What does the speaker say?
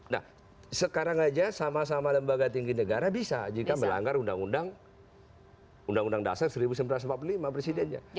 nah sekarang aja sama sama lembaga tinggi negara bisa jika melanggar undang undang dasar seribu sembilan ratus empat puluh lima presidennya